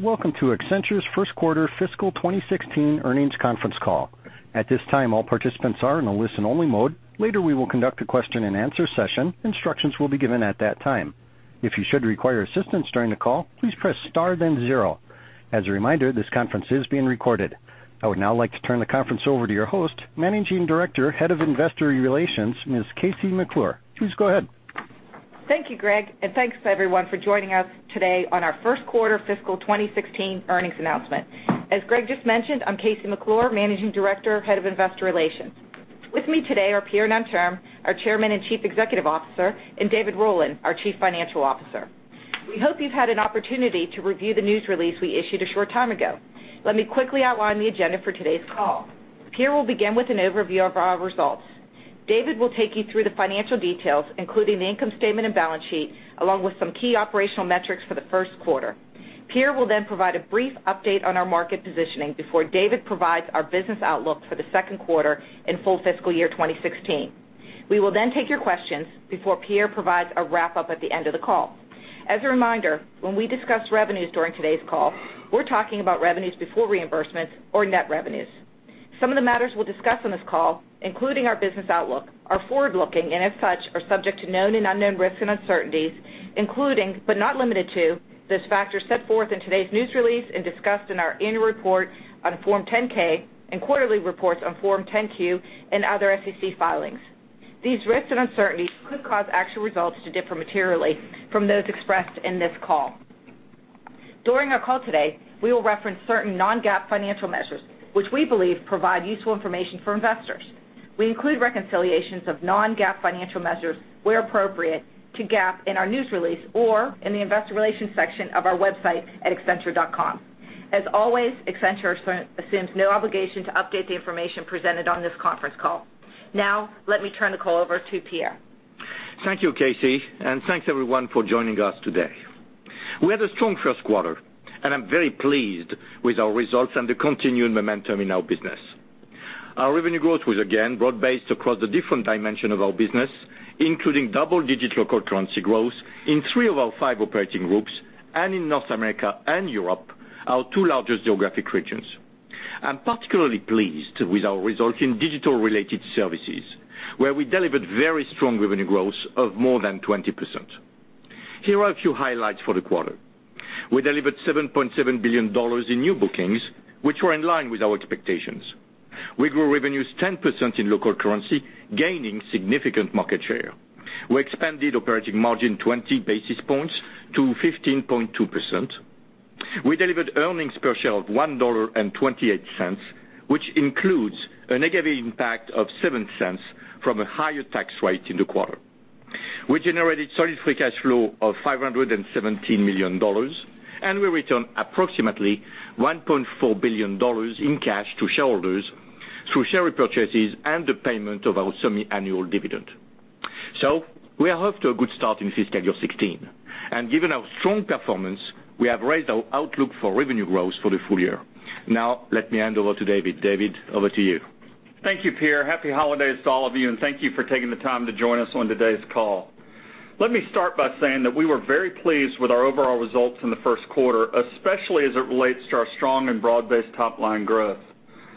Welcome to Accenture's first quarter fiscal 2016 earnings conference call. At this time, all participants are in a listen-only mode. Later, we will conduct a question-and-answer session. Instructions will be given at that time. If you should require assistance during the call, please press star then zero. As a reminder, this conference is being recorded. I would now like to turn the conference over to your host, Managing Director, Head of Investor Relations, Ms. KC McClure. Please go ahead. Thank you, Greg, and thanks, everyone, for joining us today on our first quarter fiscal 2016 earnings announcement. As Greg just mentioned, I'm KC McClure, Managing Director, Head of Investor Relations. With me today are Pierre Nanterme, our Chairman and Chief Executive Officer, and David Rowland, our Chief Financial Officer. We hope you've had an opportunity to review the news release we issued a short time ago. Let me quickly outline the agenda for today's call. Pierre will begin with an overview of our results. David will take you through the financial details, including the income statement and balance sheet, along with some key operational metrics for the first quarter. Pierre will then provide a brief update on our market positioning before David provides our business outlook for the second quarter and full fiscal year 2016. We will then take your questions before Pierre provides a wrap-up at the end of the call. As a reminder, when we discuss revenues during today's call, we're talking about revenues before reimbursements or net revenues. Some of the matters we'll discuss on this call, including our business outlook, are forward-looking and as such, are subject to known and unknown risks and uncertainties, including but not limited to those factors set forth in today's news release and discussed in our annual report on Form 10-K and quarterly reports on Form 10-Q and other SEC filings. These risks and uncertainties could cause actual results to differ materially from those expressed in this call. During our call today, we will reference certain non-GAAP financial measures, which we believe provide useful information for investors. We include reconciliations of non-GAAP financial measures where appropriate to GAAP in our news release or in the investor relations section of our website at accenture.com. As always, Accenture assumes no obligation to update the information presented on this conference call. Now, let me turn the call over to Pierre. Thank you, KC, and thanks, everyone, for joining us today. We had a strong first quarter, and I'm very pleased with our results and the continuing momentum in our business. Our revenue growth was again broad-based across the different dimension of our business, including double-digit local currency growth in three of our five operating groups and in North America and Europe, our two largest geographic regions. I'm particularly pleased with our results in digital-related services, where we delivered very strong revenue growth of more than 20%. Here are a few highlights for the quarter. We delivered $7.7 billion in new bookings, which were in line with our expectations. We grew revenues 10% in local currency, gaining significant market share. We expanded operating margin 20 basis points to 15.2%. We delivered earnings per share of $1.28, which includes a negative impact of $0.07 from a higher tax rate in the quarter. We generated solid free cash flow of $517 million, and we returned approximately $1.4 billion in cash to shareholders through share repurchases and the payment of our semi-annual dividend. We are off to a good start in fiscal year 2016, and given our strong performance, we have raised our outlook for revenue growth for the full year. Let me hand over to David. David, over to you. Thank you, Pierre. Happy holidays to all of you, and thank you for taking the time to join us on today's call. Let me start by saying that we were very pleased with our overall results in the first quarter, especially as it relates to our strong and broad-based top-line growth.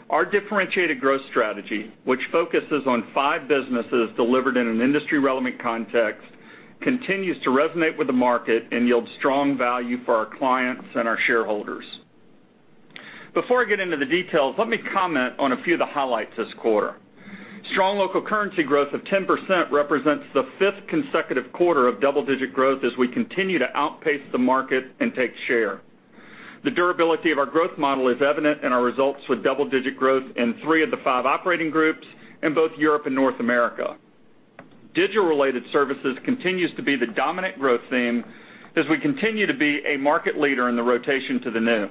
Our differentiated growth strategy, which focuses on five businesses delivered in an industry-relevant context, continues to resonate with the market and yield strong value for our clients and our shareholders. Before I get into the details, let me comment on a few of the highlights this quarter. Strong local currency growth of 10% represents the fifth consecutive quarter of double-digit growth as we continue to outpace the market and take share. The durability of our growth model is evident in our results with double-digit growth in three of the five operating groups in both Europe and North America. Digital-related services continues to be the dominant growth theme as we continue to be a market leader in the rotation to the new.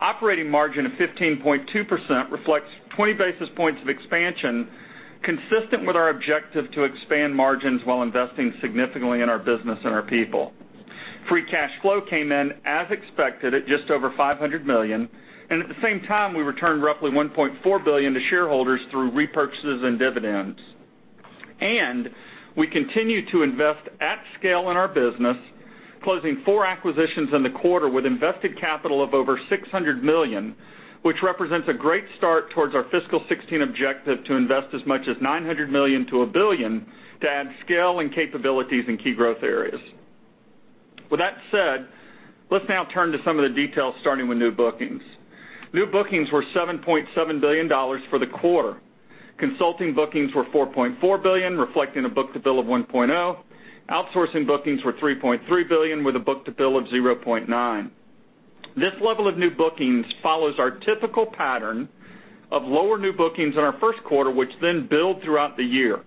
Operating margin of 15.2% reflects 20 basis points of expansion consistent with our objective to expand margins while investing significantly in our business and our people. Free cash flow came in as expected at just over $500 million, and at the same time, we returned roughly $1.4 billion to shareholders through repurchases and dividends. We continue to invest at scale in our business, closing four acquisitions in the quarter with invested capital of over $600 million, which represents a great start towards our fiscal 2016 objective to invest as much as $900 million to $1 billion to add scale and capabilities in key growth areas. With that said, let's now turn to some of the details, starting with new bookings. New bookings were $7.7 billion for the quarter. Consulting bookings were $4.4 billion, reflecting a book-to-bill of 1.0. Outsourcing bookings were $3.3 billion with a book-to-bill of 0.9. This level of new bookings follows our typical pattern of lower new bookings in our first quarter, which then build throughout the year.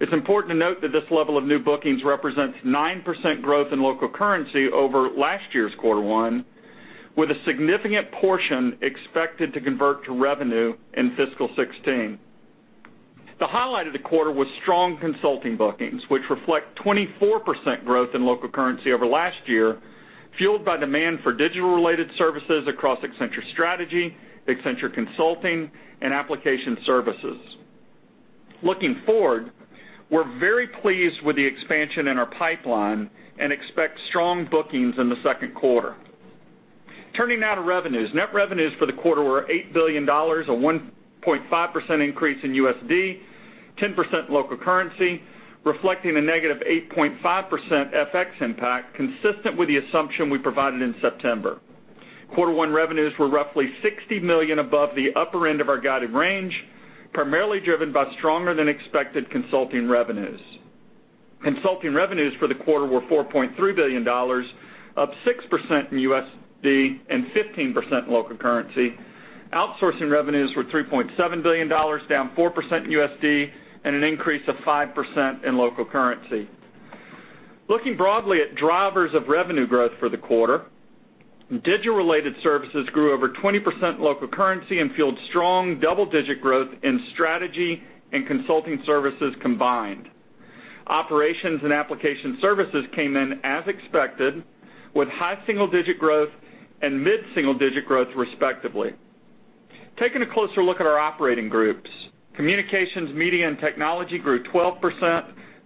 It's important to note that this level of new bookings represents 9% growth in local currency over last year's quarter one, with a significant portion expected to convert to revenue in fiscal 2016. The highlight of the quarter was strong consulting bookings, which reflect 24% growth in local currency over last year, fueled by demand for digital-related services across Accenture Strategy, Accenture Consulting, and Application Services. Looking forward, we're very pleased with the expansion in our pipeline and expect strong bookings in the second quarter. Turning now to revenues. Net revenues for the quarter were $8 billion, a 1.5% increase in USD, 10% local currency, reflecting a negative 8.5% FX impact, consistent with the assumption we provided in September. Quarter one revenues were roughly $60 million above the upper end of our guided range, primarily driven by stronger-than-expected consulting revenues. Consulting revenues for the quarter were $4.3 billion, up 6% in USD and 15% in local currency. Outsourcing revenues were $3.7 billion, down 4% in USD, and an increase of 5% in local currency. Looking broadly at drivers of revenue growth for the quarter, digital-related services grew over 20% in local currency and fueled strong double-digit growth in strategy and consulting services combined. Accenture Operations and Application Services came in as expected, with high single-digit growth and mid-single-digit growth respectively. Taking a closer look at our operating groups. Communications, Media, and Technology grew 12%,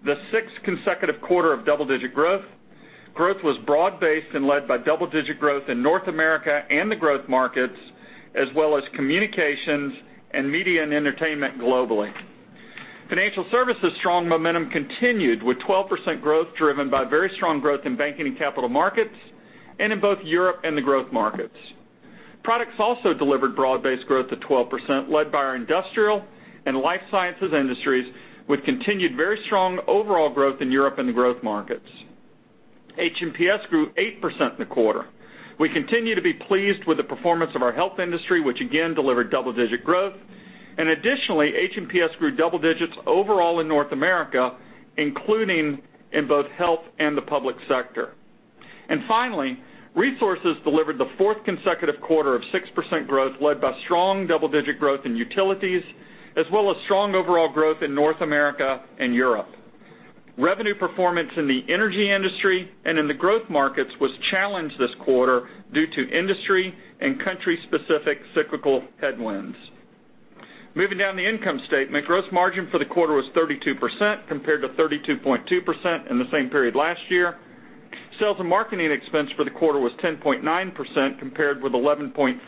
the sixth consecutive quarter of double-digit growth. Growth was broad-based and led by double-digit growth in North America and the growth markets, as well as communications and media and entertainment globally. Financial Services strong momentum continued with 12% growth, driven by very strong growth in banking and capital markets and in both Europe and the growth markets. Products also delivered broad-based growth of 12%, led by our industrial and life sciences industries, with continued very strong overall growth in Europe and the growth markets. H&PS grew 8% in the quarter. We continue to be pleased with the performance of our health industry, which again delivered double-digit growth. Additionally, H&PS grew double digits overall in North America, including in both health and the public sector. Finally, Resources delivered the fourth consecutive quarter of 6% growth, led by strong double-digit growth in utilities, as well as strong overall growth in North America and Europe. Revenue performance in the energy industry and in the growth markets was challenged this quarter due to industry and country-specific cyclical headwinds. Moving down the income statement, gross margin for the quarter was 32%, compared to 32.2% in the same period last year. Sales and marketing expense for the quarter was 10.9%, compared with 11.5%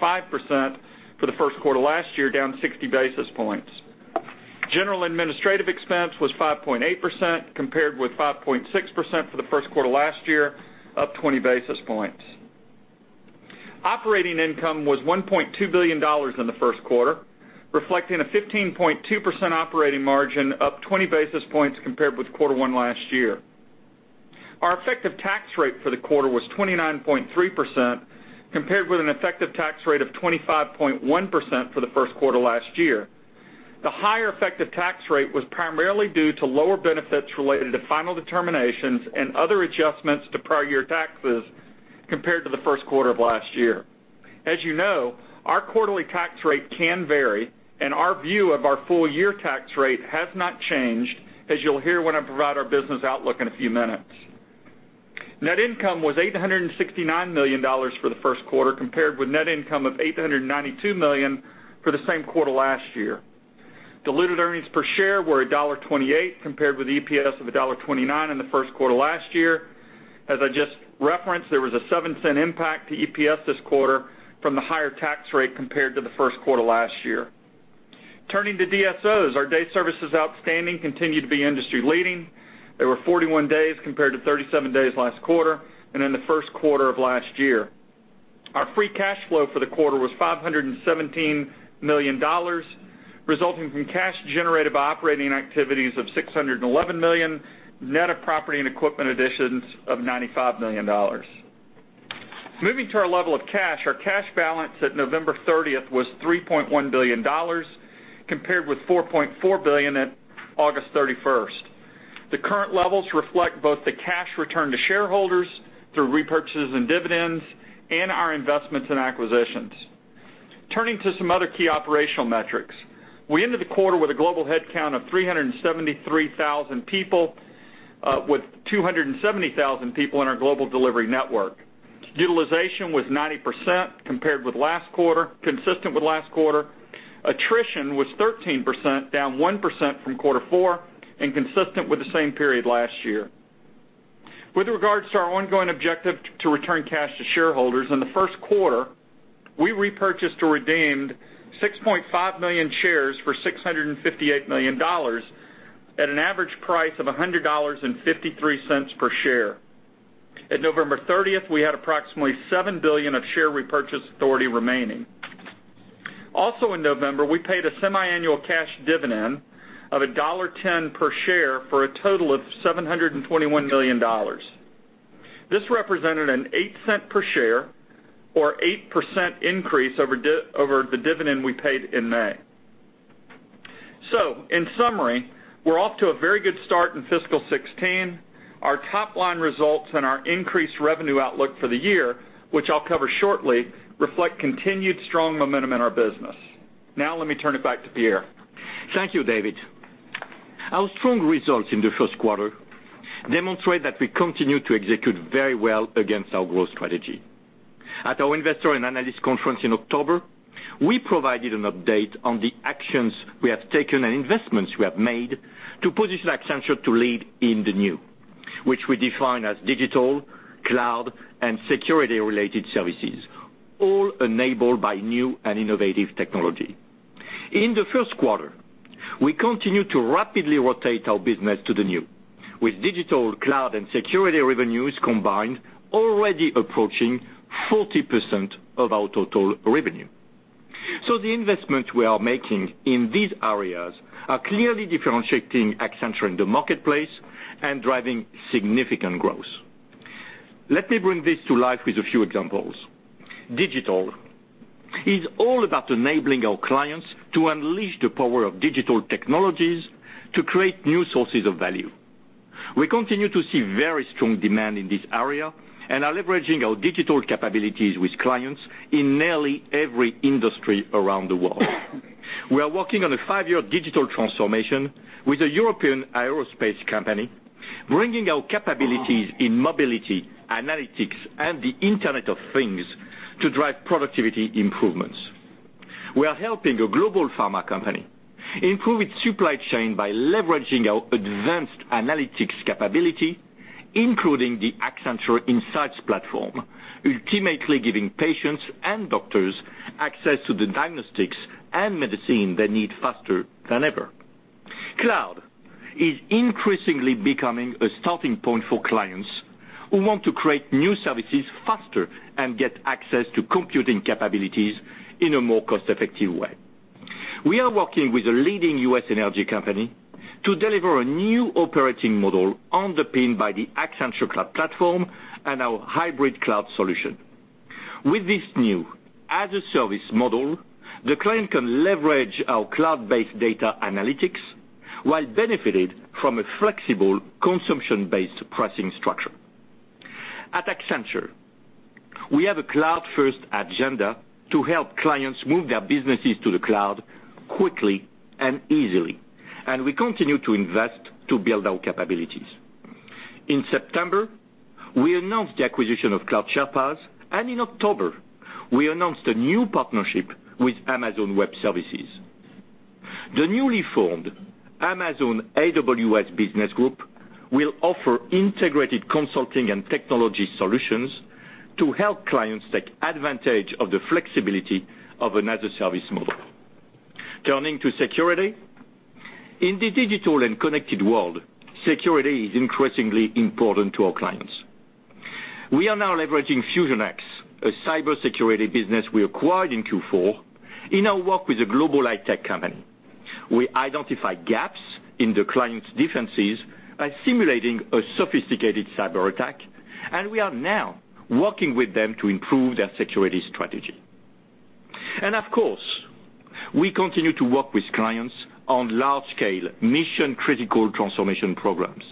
for the first quarter last year, down 60 basis points. General administrative expense was 5.8%, compared with 5.6% for the first quarter last year, up 20 basis points. Operating income was $1.2 billion in the first quarter, reflecting a 15.2% operating margin, up 20 basis points compared with quarter one last year. Our effective tax rate for the quarter was 29.3%, compared with an effective tax rate of 25.1% for the first quarter last year. The higher effective tax rate was primarily due to lower benefits related to final determinations and other adjustments to prior year taxes compared to the first quarter of last year. As you know, our quarterly tax rate can vary, and our view of our full-year tax rate has not changed, as you'll hear when I provide our business outlook in a few minutes. Net income was $869 million for the first quarter, compared with net income of $892 million for the same quarter last year. Diluted earnings per share were $1.28, compared with EPS of $1.29 in the first quarter last year. As I just referenced, there was a $0.07 impact to EPS this quarter from the higher tax rate compared to the first quarter last year. Turning to DSOs, our Days Sales Outstanding continued to be industry leading. They were 41 days compared to 37 days last quarter and in the first quarter of last year. Our free cash flow for the quarter was $517 million, resulting from cash generated by operating activities of $611 million, net of property and equipment additions of $95 million. Moving to our level of cash, our cash balance at November 30th was $3.1 billion, compared with $4.4 billion at August 31st. The current levels reflect both the cash returned to shareholders through repurchases and dividends and our investments and acquisitions. Turning to some other key operational metrics. We ended the quarter with a global headcount of 373,000 people, with 270,000 people in our Global Delivery Network. Utilization was 90% consistent with last quarter. Attrition was 13%, down 1% from quarter four and consistent with the same period last year. With regards to our ongoing objective to return cash to shareholders, in the first quarter, we repurchased or redeemed 6.5 million shares for $658 million at an average price of $100.53 per share. At November 30th, we had approximately $7 billion of share repurchase authority remaining. Also, in November, we paid a semiannual cash dividend of $1.10 per share for a total of $721 million. This represented a $0.08 per share or 8% increase over the dividend we paid in May. In summary, we're off to a very good start in fiscal 2016. Our top-line results and our increased revenue outlook for the year, which I'll cover shortly, reflect continued strong momentum in our business. Now let me turn it back to Pierre. Thank you, David. Our strong results in the first quarter demonstrate that we continue to execute very well against our growth strategy. At our Investor and Analyst Conference in October, we provided an update on the actions we have taken and investments we have made to position Accenture to lead in the new, which we define as digital, cloud, and security-related services, all enabled by new and innovative technology. In the first quarter, we continued to rapidly rotate our business to the new, with digital, cloud, and security revenues combined already approaching 40% of our total revenue. The investments we are making in these areas are clearly differentiating Accenture in the marketplace and driving significant growth. Let me bring this to life with a few examples. Digital is all about enabling our clients to unleash the power of digital technologies to create new sources of value. We continue to see very strong demand in this area and are leveraging our digital capabilities with clients in nearly every industry around the world. We are working on a five-year digital transformation with a European aerospace company, bringing our capabilities in mobility, analytics, and the Internet of Things to drive productivity improvements. We are helping a global pharma company improve its supply chain by leveraging our advanced analytics capability, including the Accenture Insights Platform, ultimately giving patients and doctors access to the diagnostics and medicine they need faster than ever. Cloud is increasingly becoming a starting point for clients who want to create new services faster and get access to computing capabilities in a more cost-effective way. We are working with a leading U.S. energy company to deliver a new operating model underpinned by the Accenture Cloud Platform and our hybrid cloud solution. With this new as-a-service model, the client can leverage our cloud-based data analytics while benefiting from a flexible consumption-based pricing structure. At Accenture, we have a cloud-first agenda to help clients move their businesses to the cloud quickly and easily. In September, we announced the acquisition of Cloud Sherpas, and in October, we announced a new partnership with Amazon Web Services. The newly formed Accenture AWS Business Group will offer integrated consulting and technology solutions to help clients take advantage of the flexibility of an as-a-service model. Turning to security, in the digital and connected world, security is increasingly important to our clients. We are now leveraging FusionX, a cybersecurity business we acquired in Q4, in our work with a global high-tech company. We identify gaps in the client's defenses by simulating a sophisticated cyber attack, and we are now working with them to improve their security strategy. Of course, we continue to work with clients on large-scale, mission-critical transformation programs.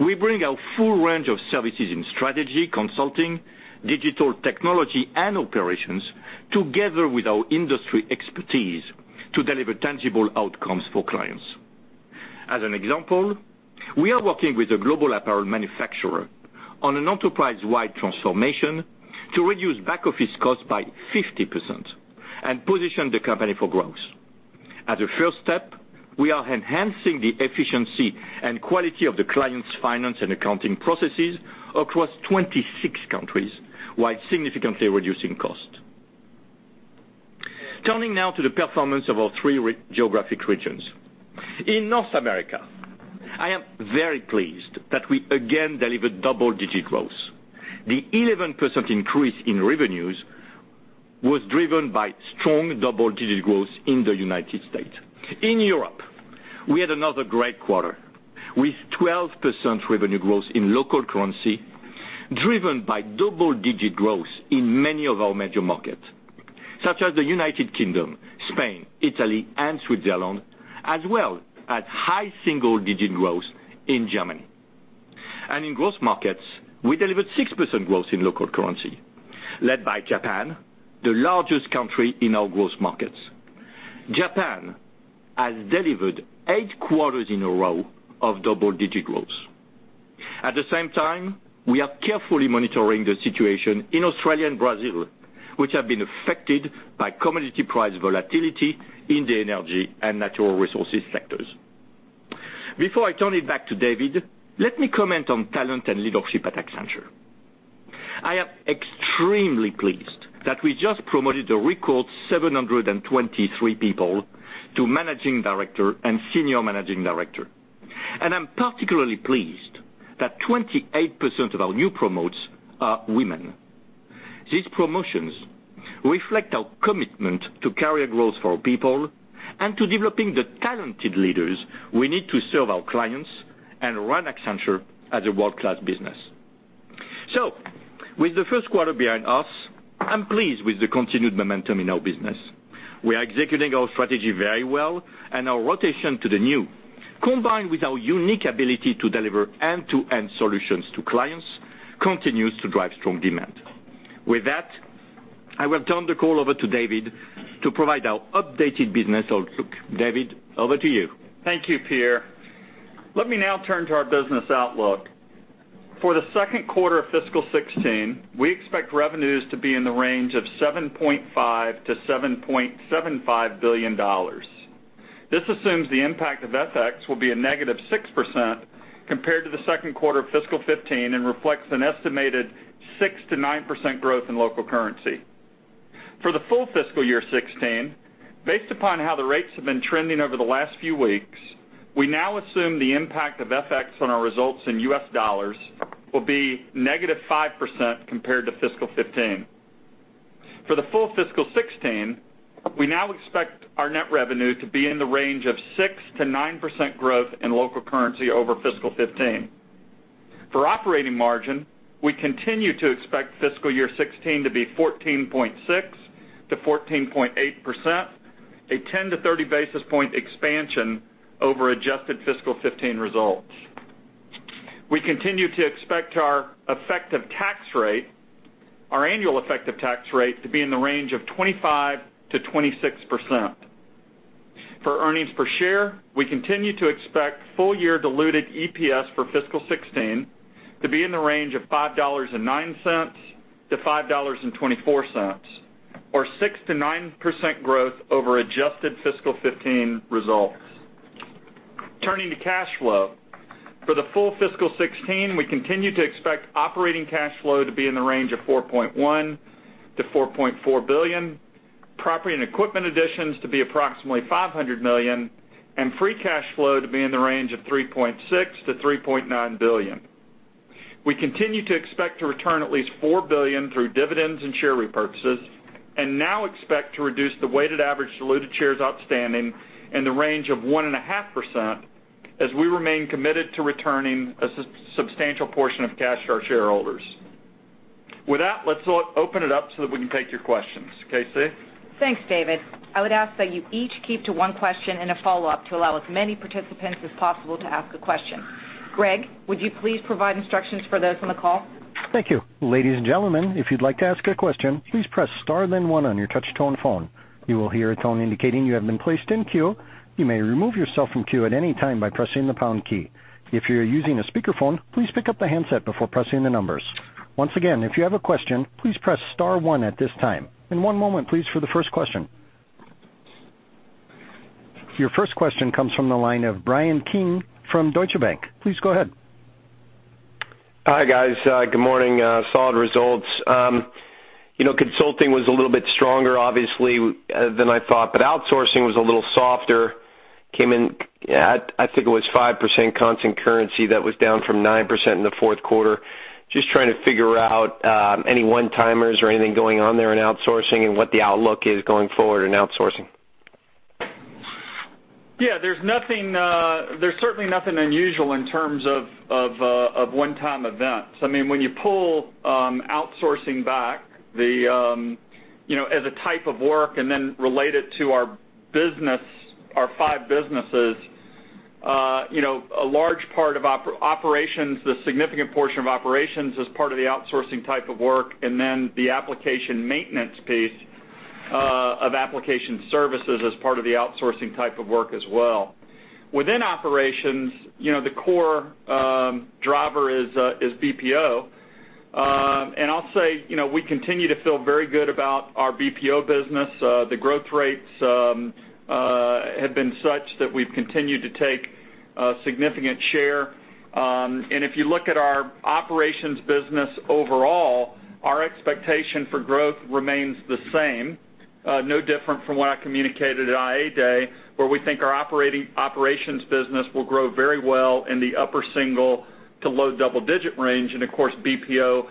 We bring our full range of services in Strategy, Consulting, Digital Technology, and Operations together with our industry expertise to deliver tangible outcomes for clients. As an example, we are working with a global apparel manufacturer on an enterprise-wide transformation to reduce back-office costs by 50% and position the company for growth. As a first step, we are enhancing the efficiency and quality of the client's finance and accounting processes across 26 countries while significantly reducing cost. Turning now to the performance of our three geographic regions, in North America, I am very pleased that we again delivered double-digit growth. The 11% increase in revenues was driven by strong double-digit growth in the United States. In Europe, we had another great quarter, with 12% revenue growth in local currency, driven by double-digit growth in many of our major markets, such as the United Kingdom, Spain, Italy, and Switzerland, as well as high single-digit growth in Germany. In growth markets, we delivered 6% growth in local currency, led by Japan, the largest country in our growth markets. Japan has delivered eight quarters in a row of double-digit growth. At the same time, we are carefully monitoring the situation in Australia and Brazil, which have been affected by commodity price volatility in the energy and natural resources sectors. Before I turn it back to David, let me comment on talent and leadership at Accenture. I am extremely pleased that we just promoted a record 723 people to Managing Director and Senior Managing Director. I'm particularly pleased that 28% of our new promotes are women. These promotions reflect our commitment to career growth for our people and to developing the talented leaders we need to serve our clients and run Accenture as a world-class business. With the first quarter behind us, I'm pleased with the continued momentum in our business. We are executing our strategy very well, and our rotation to the new, combined with our unique ability to deliver end-to-end solutions to clients, continues to drive strong demand. With that, I will turn the call over to David to provide our updated business outlook. David, over to you. Thank you, Pierre. Let me now turn to our business outlook. For the second quarter of fiscal 2016, we expect revenues to be in the range of $7.5 billion-$7.75 billion. This assumes the impact of FX will be a negative 6% compared to the second quarter of fiscal 2015, and reflects an estimated 6%-9% growth in local currency. For the full fiscal year 2016, based upon how the rates have been trending over the last few weeks, we now assume the impact of FX on our results in US dollars will be negative 5% compared to fiscal 2015. For the full fiscal 2016, we now expect our net revenue to be in the range of 6%-9% growth in local currency over fiscal 2015. For operating margin, we continue to expect fiscal year 2016 to be 14.6%-14.8%, a 10-30 basis point expansion over adjusted fiscal 2015 results. We continue to expect our annual effective tax rate to be in the range of 25%-26%. For earnings per share, we continue to expect full-year diluted EPS for fiscal 2016 to be in the range of $5.09-$5.24, or 6%-9% growth over adjusted fiscal 2015 results. Turning to cash flow. For the full fiscal 2016, we continue to expect operating cash flow to be in the range of $4.1 billion-$4.4 billion, property and equipment additions to be approximately $500 million, and free cash flow to be in the range of $3.6 billion-$3.9 billion. We continue to expect to return at least $4 billion through dividends and share repurchases, and now expect to reduce the weighted average diluted shares outstanding in the range of 1.5% as we remain committed to returning a substantial portion of cash to our shareholders. With that, let's open it up so that we can take your questions. Casey? Thanks, David. I would ask that you each keep to one question and a follow-up to allow as many participants as possible to ask a question. Greg, would you please provide instructions for those on the call? Thank you. Ladies and gentlemen, if you'd like to ask a question, please press star one on your touch tone phone. You will hear a tone indicating you have been placed in queue. You may remove yourself from queue at any time by pressing the pound key. If you're using a speakerphone, please pick up the handset before pressing the numbers. Once again, if you have a question, please press star one at this time. One moment, please, for the first question. Your first question comes from the line of Bryan Keane from Deutsche Bank. Please go ahead. Hi, guys. Good morning. Solid results. Consulting was a little bit stronger, obviously, than I thought, but outsourcing was a little softer. Came in, I think it was 5% constant currency that was down from 9% in the fourth quarter. Just trying to figure out any one-timers or anything going on there in outsourcing and what the outlook is going forward in outsourcing. Yeah, there's certainly nothing unusual in terms of one-time events. When you pull outsourcing back as a type of work and then relate it to our five businesses, a large part of Operations, the significant portion of Operations is part of the outsourcing type of work, and then the application maintenance piece of Application Services is part of the outsourcing type of work as well. Within Operations, the core driver is BPO. I'll say, we continue to feel very good about our BPO business. The growth rates have been such that we've continued to take a significant share. If you look at our Operations business overall, our expectation for growth remains the same, no different from what I communicated at IA Day, where we think our Operations business will grow very well in the upper single to low double-digit range. Of course, BPO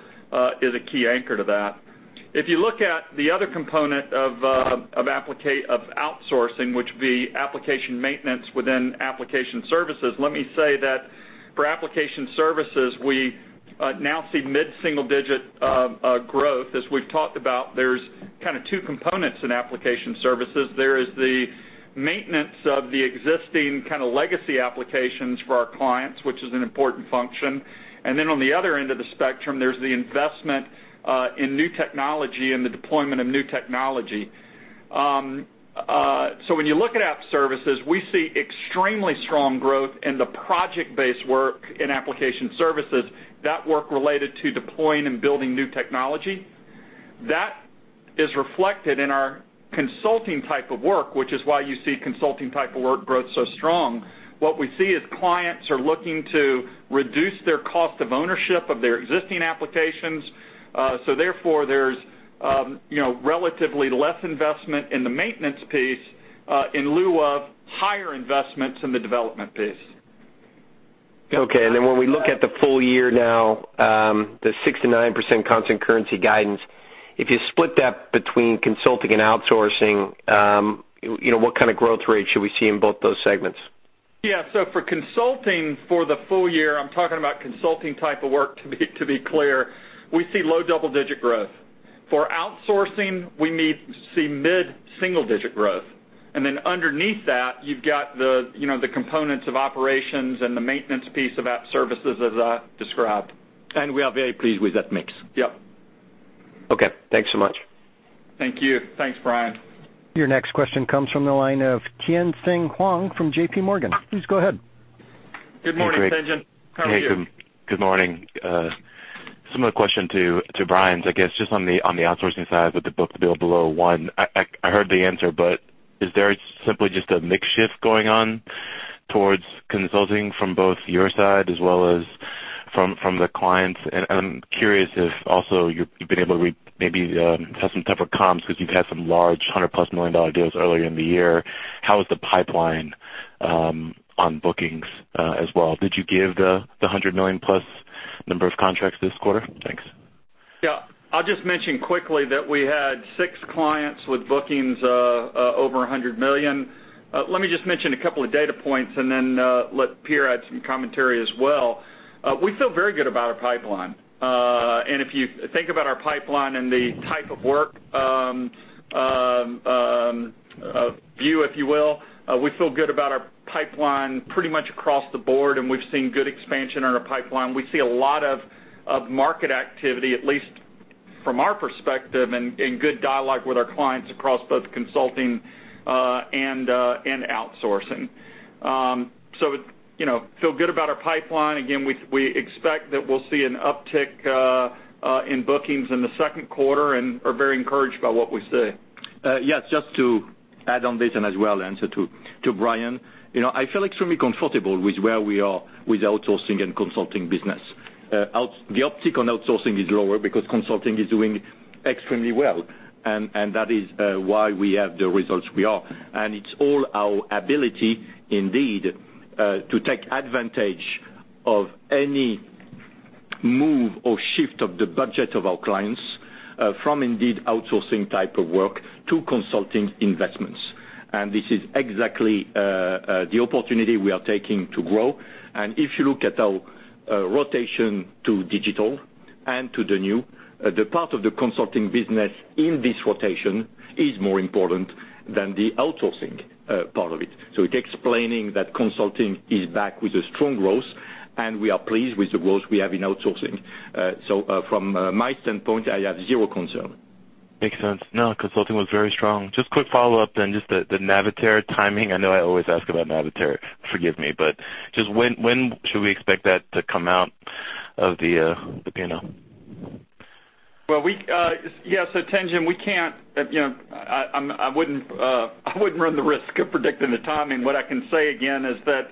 is a key anchor to that. If you look at the other component of outsourcing, which would be application maintenance within Application Services, let me say that for Application Services, we now see mid-single-digit growth. As we've talked about, there's kind of 2 components in Application Services. There is the maintenance of the existing kind of legacy applications for our clients, which is an important function. On the other end of the spectrum, there's the investment in new technology and the deployment of new technology. When you look at app services, we see extremely strong growth in the project-based work in Application Services, that work related to deploying and building new technology. That is reflected in our consulting type of work, which is why you see consulting type of work growth so strong. What we see is clients are looking to reduce their cost of ownership of their existing applications. Therefore, there's relatively less investment in the maintenance piece in lieu of higher investments in the development piece. When we look at the full year now, the 6%-9% constant currency guidance, if you split that between consulting and outsourcing, what kind of growth rate should we see in both those segments? For consulting for the full year, I'm talking about consulting type of work to be clear, we see low double-digit growth. For outsourcing, we see mid-single-digit growth. Underneath that, you've got the components of operations and the maintenance piece of app services as I described. We are very pleased with that mix. Yep. Okay. Thanks so much. Thank you. Thanks, Bryan. Your next question comes from the line of Tien-Tsin Huang from JPMorgan. Please go ahead. Good morning, Tien-Tsin. How are you? Hey, good morning. Similar question to Bryan's, I guess, just on the outsourcing side with the book-to-bill below one. I heard the answer, but is there simply just a mix shift going on towards consulting from both your side as well as from the clients? I'm curious if also you've been able to maybe have some type of comms because you've had some large $100 million-plus deals earlier in the year. How is the pipeline on bookings as well? Did you give the $100 million-plus number of contracts this quarter? Thanks. Yeah. I'll just mention quickly that we had six clients with bookings over $100 million. Let me just mention a couple of data points and then let Pierre add some commentary as well. We feel very good about our pipeline. If you think about our pipeline and the type of work view, if you will, we feel good about our pipeline pretty much across the board, and we've seen good expansion in our pipeline. We see a lot of market activity, at least from our perspective, and good dialogue with our clients across both consulting and outsourcing. Feel good about our pipeline. Again, we expect that we'll see an uptick in bookings in the second quarter and are very encouraged by what we see. Yes, just to add on this and as well answer to Bryan. I feel extremely comfortable with where we are with outsourcing and consulting business. The uptick on outsourcing is lower because consulting is doing extremely well, and that is why we have the results we are. It's all our ability, indeed, to take advantage of any move or shift of the budget of our clients from indeed outsourcing type of work to consulting investments. This is exactly the opportunity we are taking to grow. If you look at our rotation to digital and to the new, the part of the consulting business in this rotation is more important than the outsourcing part of it. It's explaining that consulting is back with a strong growth, and we are pleased with the growth we have in outsourcing. From my standpoint, I have zero concern. Makes sense. No, consulting was very strong. Just quick follow-up then, just the Navitaire timing. I know I always ask about Navitaire, forgive me, but just when should we expect that to come out of the P&L? Yes, Tien-Tsin, I wouldn't run the risk of predicting the timing. What I can say again is that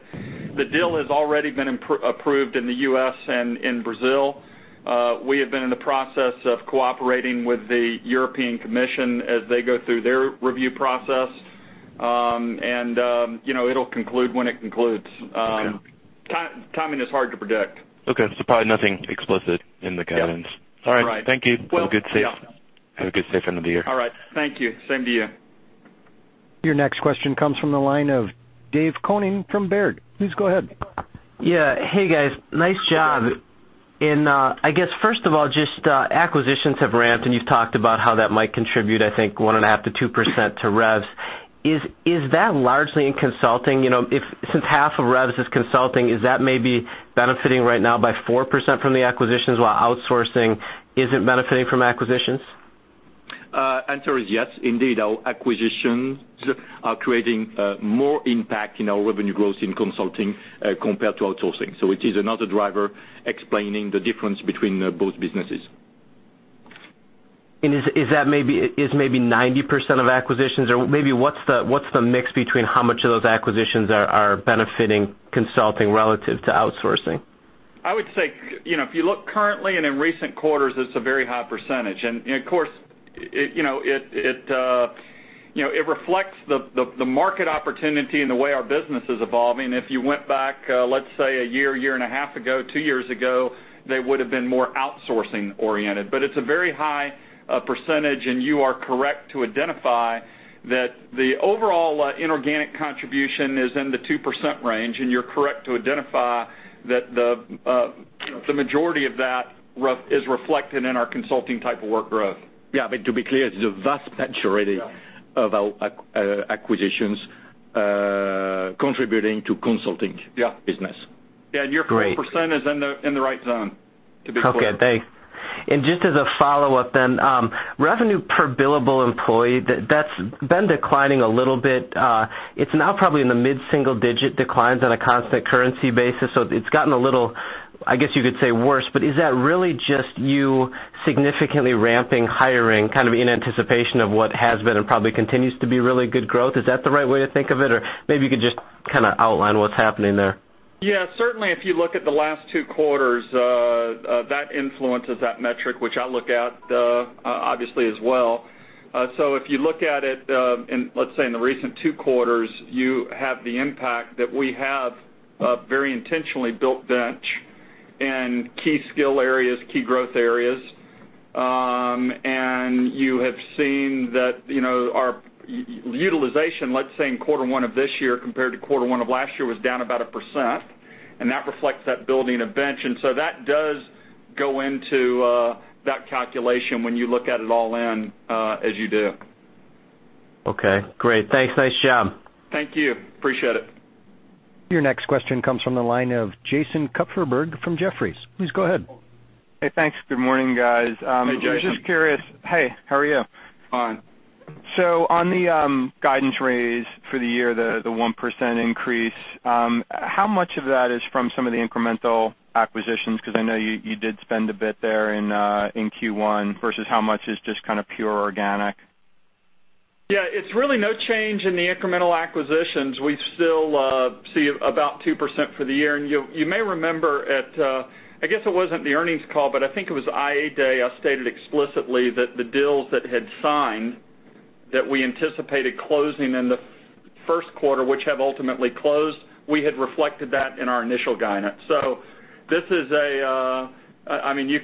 the deal has already been approved in the U.S. and in Brazil. We have been in the process of cooperating with the European Commission as they go through their review process. It'll conclude when it concludes. Okay. Timing is hard to predict. Okay, probably nothing explicit in the guidance. Yeah. All right. Thank you. Well- Have a good, safe end of the year. All right. Thank you. Same to you. Your next question comes from the line of Dave Koning from Baird. Please go ahead. Yeah. Hey, guys. Nice job. I guess, first of all, just acquisitions have ramped, and you've talked about how that might contribute, I think, 1.5%-2% to revs. Is that largely in consulting? Since half of revs is consulting, is that maybe benefiting right now by 4% from the acquisitions while outsourcing isn't benefiting from acquisitions? Answer is yes. Indeed, our acquisitions are creating more impact in our revenue growth in consulting compared to outsourcing. It is another driver explaining the difference between both businesses. Is maybe 90% of acquisitions, or maybe what's the mix between how much of those acquisitions are benefiting consulting relative to outsourcing? I would say, if you look currently and in recent quarters, it's a very high percentage. Of course, it reflects the market opportunity and the way our business is evolving. If you went back, let's say a year and a half ago, two years ago, they would've been more outsourcing oriented. It's a very high percentage, and you are correct to identify that the overall inorganic contribution is in the 2% range, and you're correct to identify that the majority of that is reflected in our consulting type of work growth. Yeah, to be clear, it's a vast majority- Yeah of our acquisitions contributing to consulting- Yeah business. Yeah. Your 4% is in the right zone, to be clear. Okay, thanks. Just as a follow-up then, revenue per billable employee, that's been declining a little bit. It's now probably in the mid-single-digit declines on a constant currency basis. It's gotten a little, I guess you could say, worse, but is that really just you significantly ramping hiring kind of in anticipation of what has been and probably continues to be really good growth? Is that the right way to think of it? Maybe you could just kind of outline what's happening there. Yeah, certainly if you look at the last two quarters, that influences that metric, which I look at, obviously, as well. If you look at it in, let's say in the recent two quarters, you have the impact that we have very intentionally built bench in key skill areas, key growth areas. You have seen that our utilization, let's say in quarter 1 of this year compared to quarter 1 of last year, was down about 1%, and that reflects that building of bench. That does go into that calculation when you look at it all in, as you do. Okay, great. Thanks. Nice job. Thank you. Appreciate it. Your next question comes from the line of Jason Kupferberg from Jefferies. Please go ahead. Hey, thanks. Good morning, guys. Hey, Jason. Just curious. Hey, how are you? Fine. On the guidance raise for the year, the 1% increase, how much of that is from some of the incremental acquisitions? Because I know you did spend a bit there in Q1, versus how much is just pure organic. Yeah, it's really no change in the incremental acquisitions. We still see about 2% for the year. You may remember at, I guess it wasn't the earnings call, but I think it was Investor & Analyst Day, I stated explicitly that the deals that had signed that we anticipated closing in the first quarter, which have ultimately closed, we had reflected that in our initial guidance. You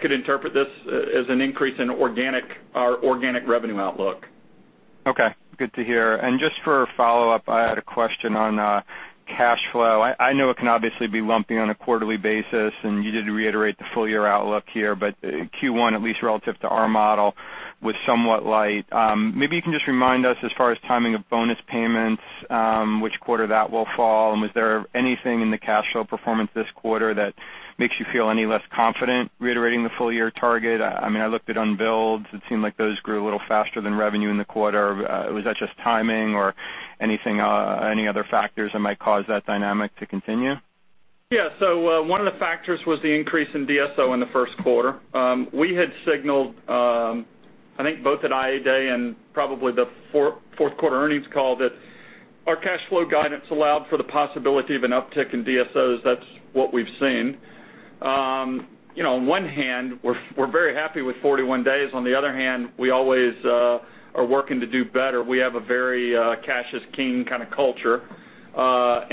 could interpret this as an increase in our organic revenue outlook. Okay, good to hear. Just for a follow-up, I had a question on cash flow. I know it can obviously be lumpy on a quarterly basis, and you did reiterate the full-year outlook here, but Q1, at least relative to our model, was somewhat light. Maybe you can just remind us as far as timing of bonus payments, which quarter that will fall, and was there anything in the cash flow performance this quarter that makes you feel any less confident reiterating the full-year target? I looked at unbilled. It seemed like those grew a little faster than revenue in the quarter. Was that just timing or any other factors that might cause that dynamic to continue? Yeah. One of the factors was the increase in DSO in the first quarter. We had signaled, I think both at Investor & Analyst Day and probably the fourth-quarter earnings call, that our cash flow guidance allowed for the possibility of an uptick in DSOs. That's what we've seen. On one hand, we're very happy with 41 days. On the other hand, we always are working to do better. We have a very cash is king kind of culture. We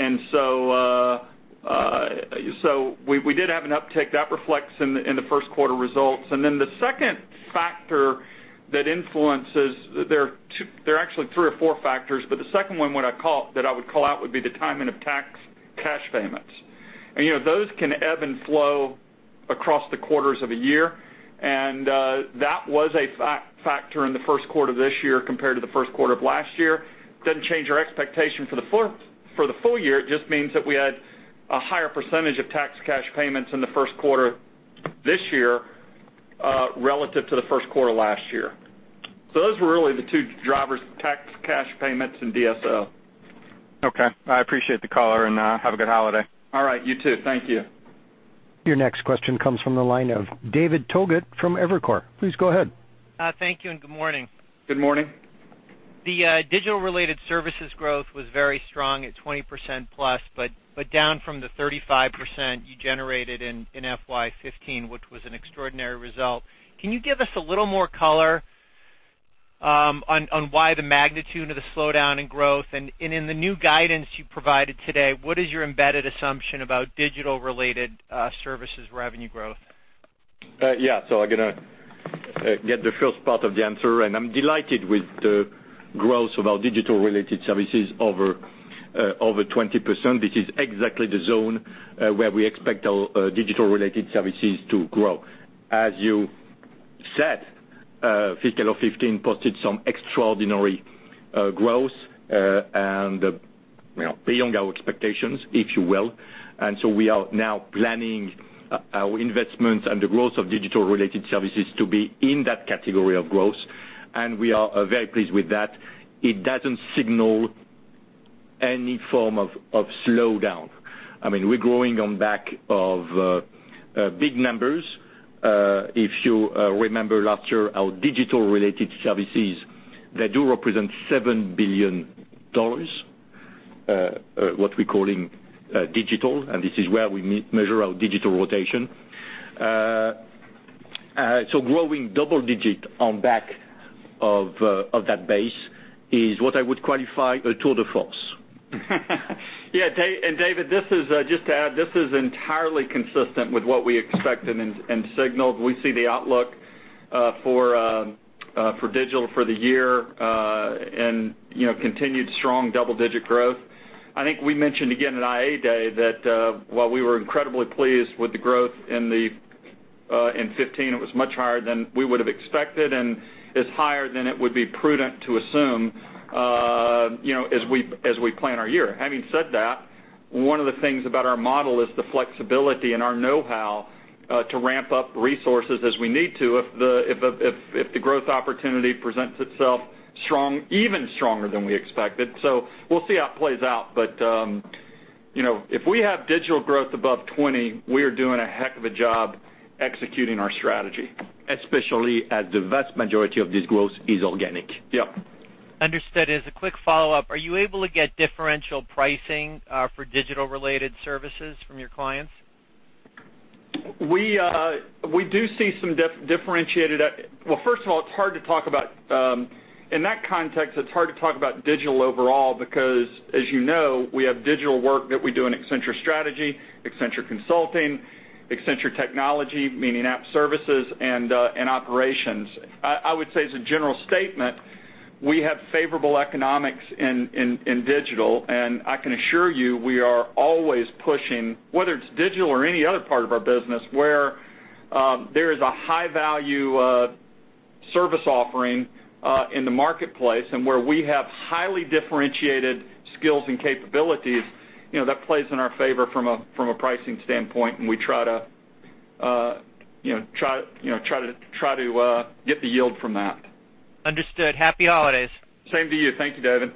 did have an uptick. That reflects in the first quarter results. The second factor that influences There are actually three or four factors, but the second one that I would call out would be the timing of tax cash payments. Those can ebb and flow across the quarters of a year. That was a factor in the first quarter of this year compared to the first quarter of last year. Doesn't change our expectation for the full year. It just means that we had a higher percentage of tax cash payments in the first quarter this year relative to the first quarter last year. Those were really the two drivers, tax cash payments and DSO. Okay. I appreciate the color and have a good holiday. All right. You too. Thank you. Your next question comes from the line of David Togut from Evercore. Please go ahead. Thank you and good morning. Good morning. The digital-related services growth was very strong at 20% plus, but down from the 35% you generated in FY 2015, which was an extraordinary result. Can you give us a little more color on why the magnitude of the slowdown in growth? In the new guidance you provided today, what is your embedded assumption about digital-related services revenue growth? Yeah. I'm going to get the first part of the answer, and I'm delighted with the growth of our digital-related services over 20%. This is exactly the zone where we expect our digital-related services to grow. As you said, fiscal 2015 posted some extraordinary growth and beyond our expectations, if you will. We are now planning our investments and the growth of digital-related services to be in that category of growth. We are very pleased with that. It doesn't signal any form of slowdown. We're growing on back of big numbers. If you remember last year, our digital-related services, they do represent $7 billion, what we're calling digital, and this is where we measure our digital rotation. Growing double digit on back of that base is what I would qualify a tour de force. David, just to add, this is entirely consistent with what we expected and signaled. We see the outlook for digital for the year and continued strong double-digit growth. I think we mentioned again at Investor & Analyst Day that while we were incredibly pleased with the growth in 2015, it was much higher than we would've expected and is higher than it would be prudent to assume as we plan our year. Having said that, one of the things about our model is the flexibility and our know-how to ramp up resources as we need to if the growth opportunity presents itself even stronger than we expected. We'll see how it plays out. If we have digital growth above 20, we are doing a heck of a job executing our strategy. Especially as the vast majority of this growth is organic. Yep. Understood. As a quick follow-up, are you able to get differential pricing for digital-related services from your clients? We do see some differentiated. Well, first of all, in that context, it's hard to talk about digital overall because, as you know, we have digital work that we do in Accenture Strategy, Accenture Consulting, Accenture Technology, meaning Application Services, and Accenture Operations. I would say as a general statement, we have favorable economics in digital, and I can assure you we are always pushing, whether it's digital or any other part of our business, where there is a high-value service offering in the marketplace, and where we have highly differentiated skills and capabilities, that plays in our favor from a pricing standpoint, and we try to get the yield from that. Understood. Happy holidays. Same to you. Thank you, David.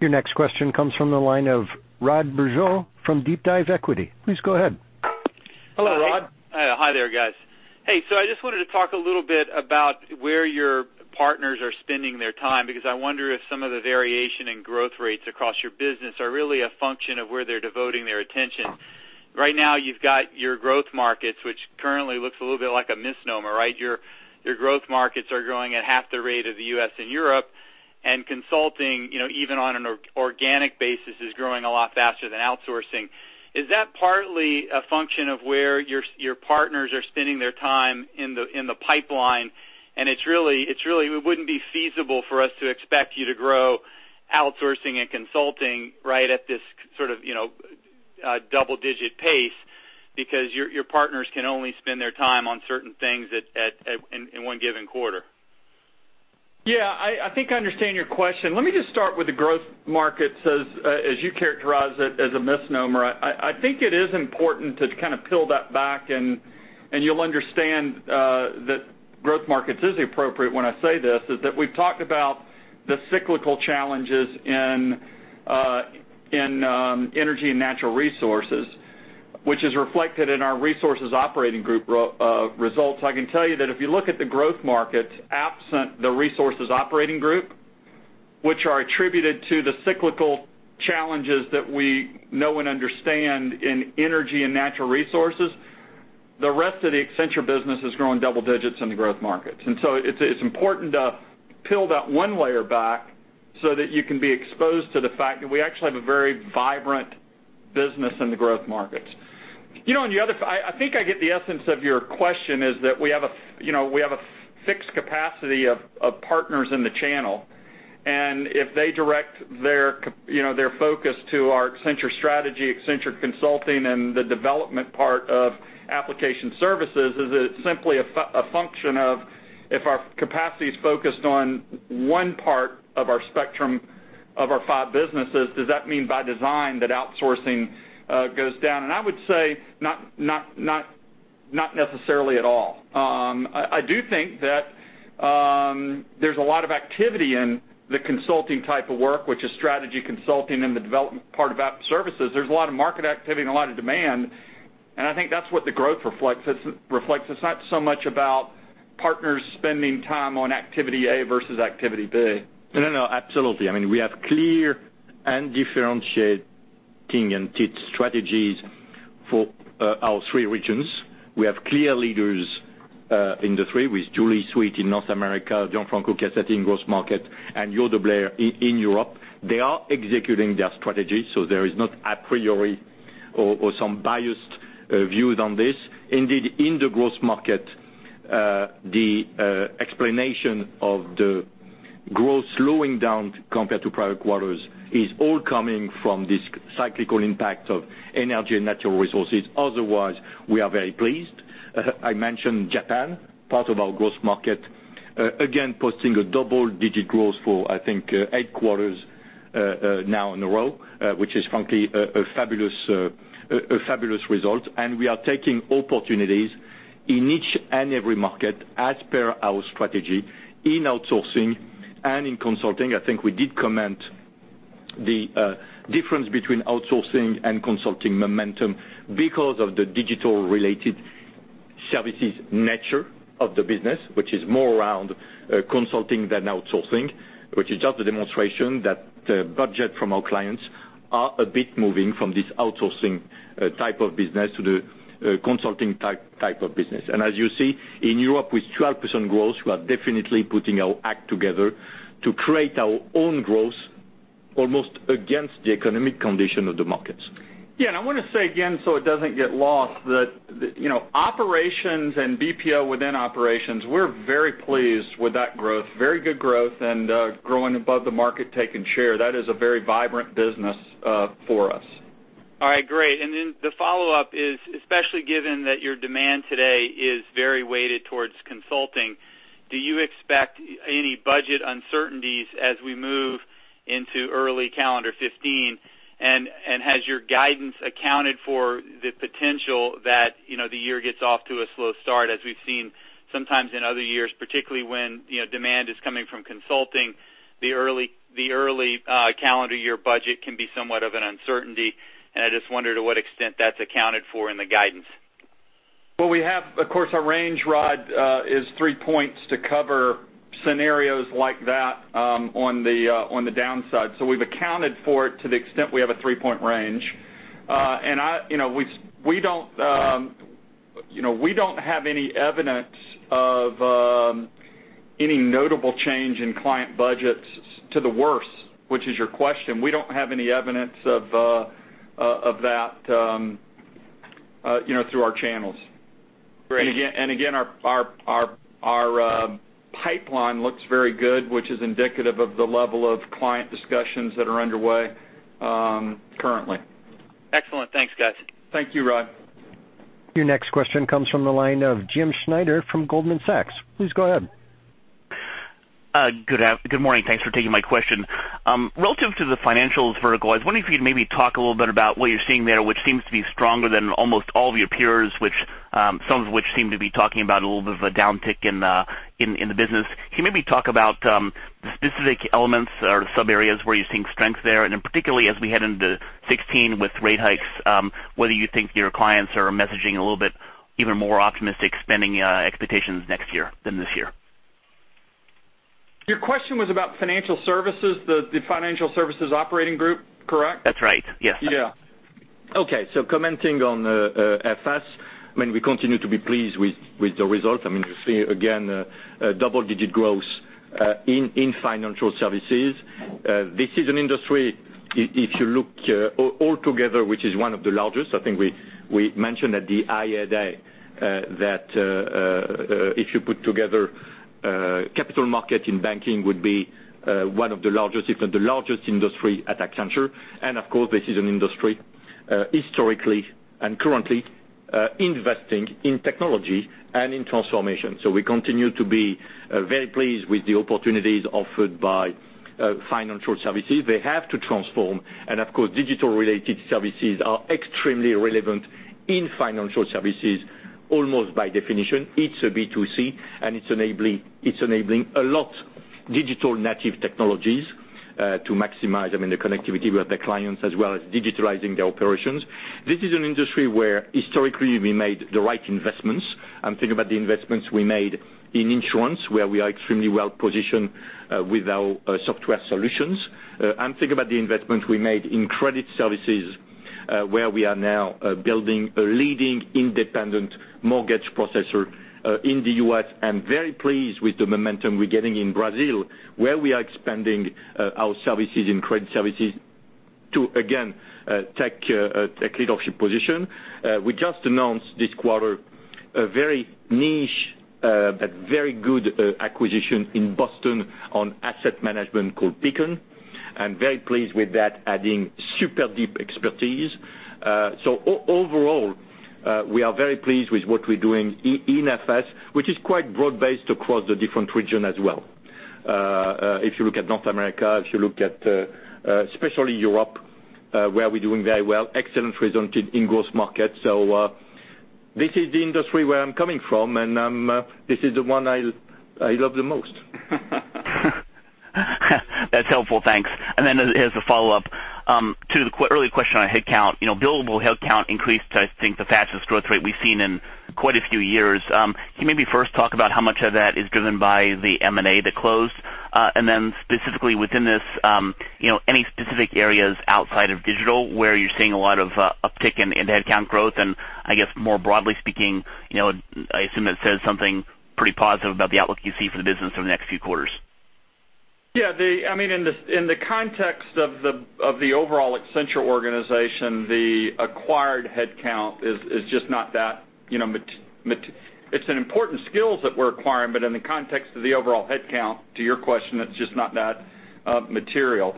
Your next question comes from the line of Rod Bourgeois from DeepDive Equity. Please go ahead. Hello, Rod. Hi there, guys. Hey, I just wanted to talk a little bit about where your partners are spending their time, because I wonder if some of the variation in growth rates across your business are really a function of where they're devoting their attention. Right now, you've got your growth markets, which currently looks a little bit like a misnomer, right? Your growth markets are growing at half the rate of the U.S. and Europe, and consulting, even on an organic basis, is growing a lot faster than outsourcing. Is that partly a function of where your partners are spending their time in the pipeline, and it wouldn't be feasible for us to expect you to grow outsourcing and consulting right at this sort of double-digit pace because your partners can only spend their time on certain things in one given quarter? Yeah, I think I understand your question. Let me just start with the growth markets as you characterize it as a misnomer. I think it is important to kind of peel that back and you'll understand that growth markets is appropriate when I say this, is that we've talked about the cyclical challenges in energy and natural resources, which is reflected in our resources operating group results. I can tell you that if you look at the growth markets, absent the resources operating group, which are attributed to the cyclical challenges that we know and understand in energy and natural resources, the rest of the Accenture business is growing double digits in the growth markets. It's important to peel that one layer back so that you can be exposed to the fact that we actually have a very vibrant business in the growth markets. I think I get the essence of your question is that we have a fixed capacity of partners in the channel, and if they direct their focus to our Accenture Strategy, Accenture Consulting, and the development part of Application Services, is it simply a function of if our capacity is focused on one part of our spectrum of our five businesses, does that mean by design that outsourcing goes down? I would say not necessarily at all. I do think that there's a lot of activity in the consulting type of work, which is strategy consulting and the development part of App Services. There's a lot of market activity and a lot of demand, and I think that's what the growth reflects. It's not so much about partners spending time on activity A versus activity B. No, absolutely. We have clear and differentiating and strategies for our three regions. We have clear leaders in the three with Julie Sweet in North America, Gianfranco Casati in Growth Markets, and Jo Deblaere in Europe. They are executing their strategy, there is not a priority or some biased views on this. Indeed, in the growth market, the explanation of the growth slowing down compared to prior quarters is all coming from this cyclical impact of energy and natural resources. Otherwise, we are very pleased. I mentioned Japan, part of our growth market, again, posting a double-digit growth for, I think, eight quarters now in a row, which is frankly a fabulous result. We are taking opportunities in each and every market as per our strategy in outsourcing and in consulting. I think we did comment the difference between outsourcing and consulting momentum because of the digital-related services nature of the business, which is more around consulting than outsourcing, which is just a demonstration that budget from our clients are a bit moving from this outsourcing type of business to the consulting type of business. As you see, in Europe with 12% growth, we are definitely putting our act together to create our own growth almost against the economic condition of the markets. Yeah, I want to say again so it doesn't get lost, that operations and BPO within operations, we're very pleased with that growth. Very good growth and growing above the market, taking share. That is a very vibrant business for us. All right, great. The follow-up is, especially given that your demand today is very weighted towards consulting, do you expect any budget uncertainties as we move into early calendar 2015? Has your guidance accounted for the potential that the year gets off to a slow start as we've seen sometimes in other years, particularly when demand is coming from consulting, the early calendar year budget can be somewhat of an uncertainty. I just wonder to what extent that's accounted for in the guidance. Well, we have, of course, our range, Rod, is three points to cover scenarios like that on the downside. We've accounted for it to the extent we have a three-point range. We don't have any evidence of any notable change in client budgets to the worse, which is your question. We don't have any evidence of that through our channels. Great. Pipeline looks very good, which is indicative of the level of client discussions that are underway currently. Excellent. Thanks, guys. Thank you, Rod. Your next question comes from the line of James Schneider from Goldman Sachs. Please go ahead. Good morning. Thanks for taking my question. Relative to the financials vertical, I was wondering if you'd maybe talk a little bit about what you're seeing there, which seems to be stronger than almost all of your peers, some of which seem to be talking about a little bit of a downtick in the business. Can you maybe talk about the specific elements or the sub-areas where you're seeing strength there? And then particularly as we head into 2016 with rate hikes, whether you think your clients are messaging a little bit even more optimistic spending expectations next year than this year. Your question was about financial services, the financial services operating group, correct? That's right. Yes. Yeah. Okay. Commenting on FS, we continue to be pleased with the result. You see, again, double-digit growth in financial services. This is an industry, if you look altogether, which is one of the largest, I think we mentioned at the IADA that if you put together capital market and banking would be one of the largest, if not the largest industry at Accenture. Of course, this is an industry historically and currently investing in technology and in transformation. We continue to be very pleased with the opportunities offered by financial services. They have to transform, and of course, digital-related services are extremely relevant in financial services, almost by definition. It's a B2C, and it's enabling a lot of digital native technologies to maximize the connectivity with the clients as well as digitalizing their operations. This is an industry where historically we made the right investments. I'm thinking about the investments we made in insurance, where we are extremely well-positioned with our software solutions. I'm thinking about the investment we made in credit services, where we are now building a leading independent mortgage processor in the U.S. I'm very pleased with the momentum we're getting in Brazil, where we are expanding our services in credit services to, again, take a leadership position. We just announced this quarter a very niche but very good acquisition in Boston on asset management called Beacon. I'm very pleased with that, adding super deep expertise. Overall, we are very pleased with what we're doing in FS, which is quite broad-based across the different region as well. If you look at North America, if you look at especially Europe, where we're doing very well, excellent results in Growth Markets. This is the industry where I'm coming from, this is the one I love the most. That's helpful, thanks. Then as a follow-up to the earlier question on headcount, billable headcount increased to, I think, the fastest growth rate we've seen in quite a few years. Can you maybe first talk about how much of that is driven by the M&A that closed? Then specifically within this, any specific areas outside of Digital where you're seeing a lot of uptick in headcount growth? I guess more broadly speaking, I assume it says something pretty positive about the outlook you see for the business over the next few quarters. In the context of the overall Accenture organization, the acquired headcount is just not that, it's an important skill set we're acquiring, but in the context of the overall headcount, to your question, it's just not that material.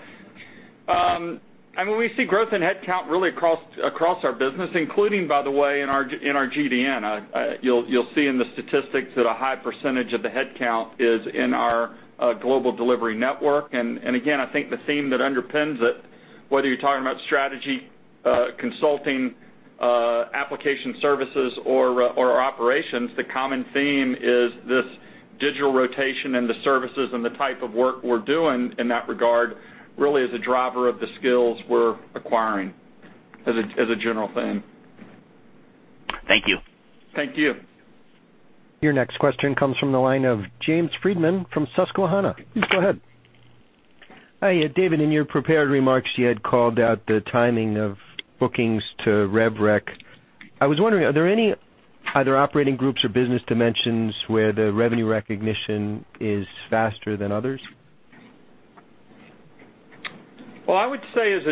We see growth in headcount really across our business, including, by the way, in our GDN. You'll see in the statistics that a high percentage of the headcount is in our Global Delivery Network. Again, I think the theme that underpins it, whether you're talking about Strategy, Consulting, Application Services, or Operations, the common theme is this Digital rotation and the services and the type of work we're doing in that regard really is a driver of the skills we're acquiring as a general theme. Thank you. Thank you. Your next question comes from the line of James Friedman from Susquehanna. Please go ahead. Hi. David, in your prepared remarks, you had called out the timing of bookings to rev rec. I was wondering, are there any other operating groups or business dimensions where the revenue recognition is faster than others? Well, I would say as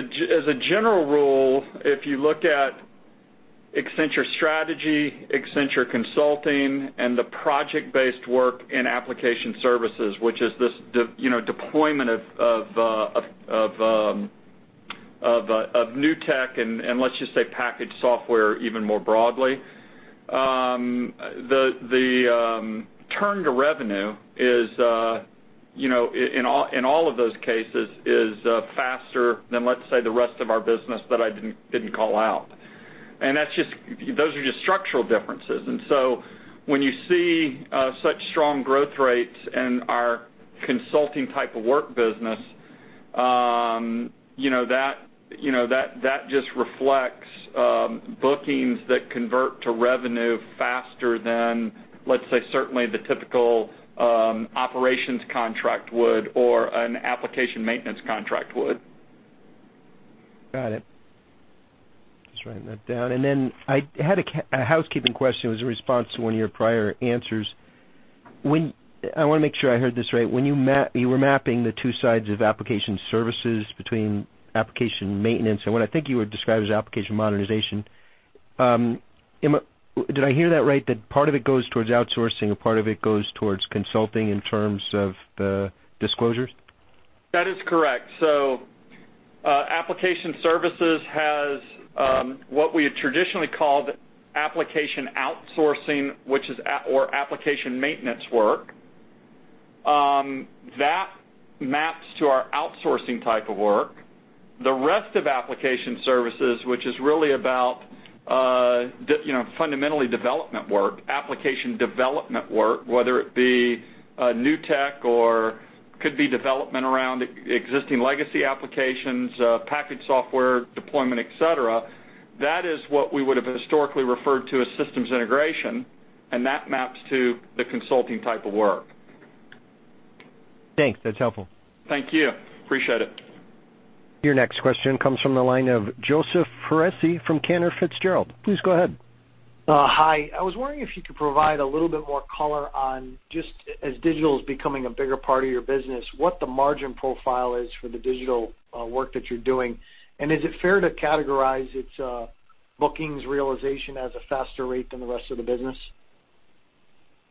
a general rule, if you look at Accenture Strategy, Accenture Consulting, and the project-based work in Application Services, which is this deployment of new tech and let's just say packaged software even more broadly. The turn to revenue in all of those cases is faster than, let's say, the rest of our business that I didn't call out. Those are just structural differences. When you see such strong growth rates in our consulting type of work business, that just reflects bookings that convert to revenue faster than, let's say, certainly the typical operations contract would or an application maintenance contract would. Got it. Just writing that down. Then I had a housekeeping question as a response to one of your prior answers. I want to make sure I heard this right. When you were mapping the two sides of Application Services between application maintenance and what I think you would describe as application modernization? Did I hear that right? That part of it goes towards outsourcing and part of it goes towards consulting in terms of the disclosures? That is correct. Application Services has what we had traditionally called application outsourcing or application maintenance work. That maps to our outsourcing type of work. The rest of Application Services, which is really about fundamentally development work, application development work, whether it be a new tech or could be development around existing legacy applications, package software deployment, et cetera. That is what we would've historically referred to as systems integration, and that maps to the consulting type of work. Thanks. That's helpful. Thank you. Appreciate it. Your next question comes from the line of Joseph Foresi from Cantor Fitzgerald. Please go ahead. Hi. I was wondering if you could provide a little bit more color on just as Digital is becoming a bigger part of your business, what the margin profile is for the Digital work that you're doing, and is it fair to categorize its bookings realization as a faster rate than the rest of the business?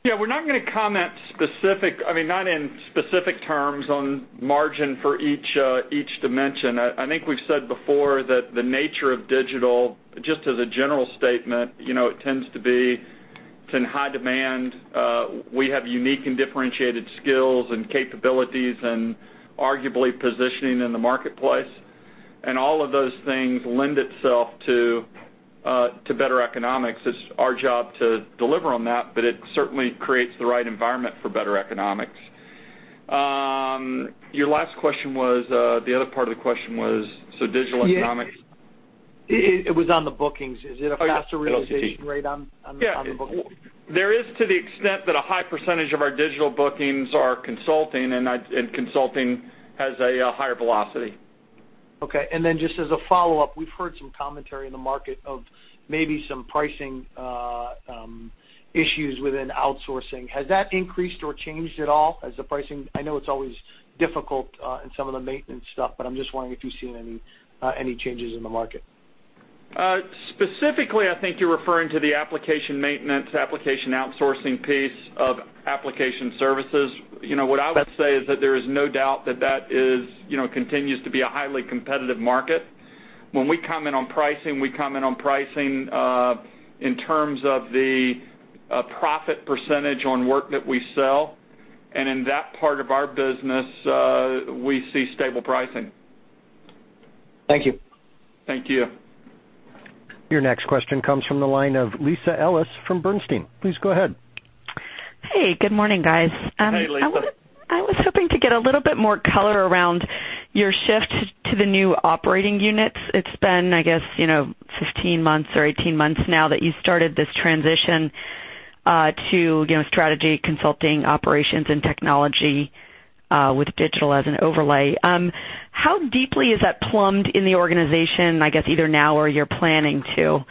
Yeah, we're not going to comment, I mean, not in specific terms on margin for each dimension. I think we've said before that the nature of Digital, just as a general statement, it tends to be it's in high demand. We have unique and differentiated skills and capabilities and arguably positioning in the marketplace. All of those things lend itself to better economics. It's our job to deliver on that, but it certainly creates the right environment for better economics. Your last question, the other part of the question was, digital economics- It was on the bookings. Is it a faster realization- Oh, yeah. -rate on the bookings? Yeah. There is to the extent that a high percentage of our digital bookings are consulting, and consulting has a higher velocity. Okay. Then just as a follow-up, we've heard some commentary in the market of maybe some pricing issues within outsourcing. Has that increased or changed at all as the pricing, I know it's always difficult in some of the maintenance stuff, but I'm just wondering if you've seen any changes in the market. Specifically, I think you're referring to the application maintenance, application outsourcing piece of Application Services. What I would say is that there is no doubt that that continues to be a highly competitive market. When we comment on pricing, we comment on pricing in terms of the profit percentage on work that we sell. In that part of our business, we see stable pricing. Thank you. Thank you. Your next question comes from the line of Lisa Ellis from Bernstein. Please go ahead. Hey, good morning, guys. Hey, Lisa. I was hoping to get a little bit more color around your shift to the new operating units. It's been, I guess 15 months or 18 months now that you started this transition to Strategy, Consulting, Operations, and Technology with Digital as an overlay. How deeply is that plumbed in the organization, I guess, either now or you're planning to?